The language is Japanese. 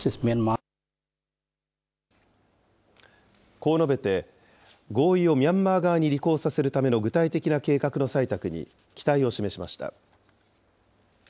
こう述べて、合意をミャンマー側に履行させるための具体的な計画の採択に期待を示しました。